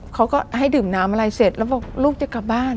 เขาก็ให้ดื่มน้ำอะไรเสร็จแล้วบอกลูกจะกลับบ้าน